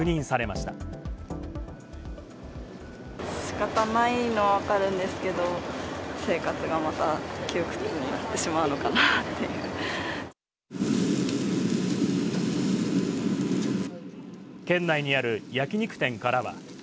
しかたないのは分かるんですけど、生活がまた窮屈になってしまうのかなっていう。